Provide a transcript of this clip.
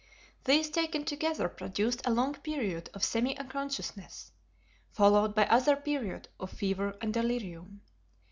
These taken together produced a long period of semi unconsciousness, followed by another period of fever and delirium.